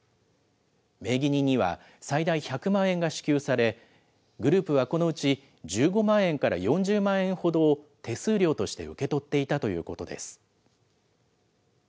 名義人には、最大１００万円が支給され、グループはこのうち１５万円から４０万円ほどを手数料として受け取っていたということです。